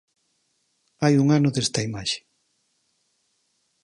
Hai un ano desta imaxe.